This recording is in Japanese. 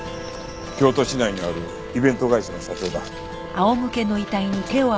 京都市内にあるイベント会社の社長だ。